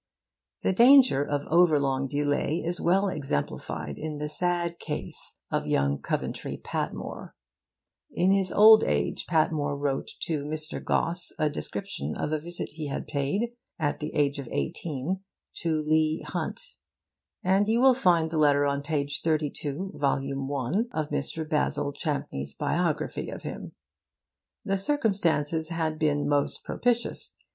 The danger of over long delay is well exemplified in the sad case of young Coventry Patmore. In his old age Patmore wrote to Mr. Gosse a description of a visit he had paid, at the age of eighteen, to Leigh Hunt; and you will find the letter on page 32, vol. I, of Mr. Basil Champneys' biography of him. The circumstances had been most propitious.